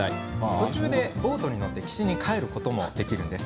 途中でボートに乗って岸に帰ることもできるんです。